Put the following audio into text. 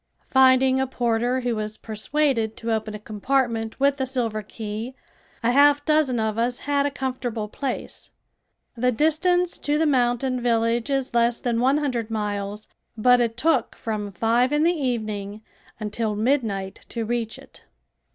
Finding a porter who was persuaded to open a compartment with a silver key a half dozen of us had a comfortable place. The distance to the mountain village is less than one hundred miles, but it took from five in the evening until midnight to reach it.